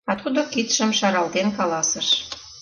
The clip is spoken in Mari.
А тудо кидшым шаралтен каласыш: